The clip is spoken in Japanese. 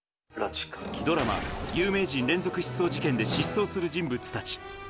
ドラマ、有名人連続失踪事件で失踪する人物たち。